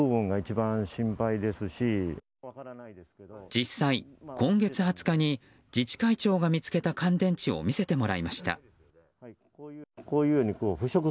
実際、今月２０日に自治会長が見つけた乾電池を見せてもらいました。